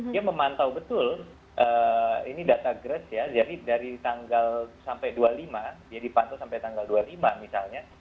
dia memantau betul ini data grass ya jadi dari tanggal sampai dua puluh lima dia dipantau sampai tanggal dua puluh lima misalnya